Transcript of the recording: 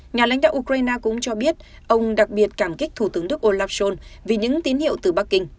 nhà lãnh đạo ukraine cũng cho biết ông đặc biệt cảm kích thủ tướng đức olaf schol vì những tín hiệu từ bắc kinh